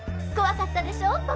怖かったでしょう？